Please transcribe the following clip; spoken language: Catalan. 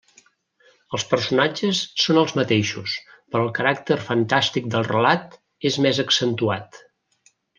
Els personatges són els mateixos, però el caràcter fantàstic del relat és més accentuat.